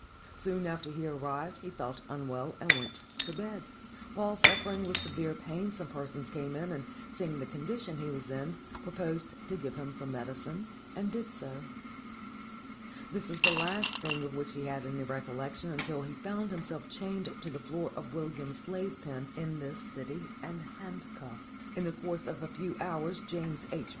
Soon after he arrived he felt unwell, and went to bed. While suffering with severe pain, some persons came in, and, seeing the condition he was in, proposed to give him some medicine, and did so. This is the last thing of which he had any recollection, until he found himself chained to the floor of Williams' slave pen in this city, and handcuffed. In the course of a few hours, James H.